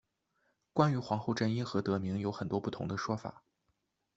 关于皇后镇因何得名有很多不同的说法。